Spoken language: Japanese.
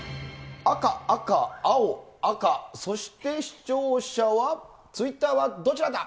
赤、赤、青、赤、そして視聴者は、ツイッターはどちらか。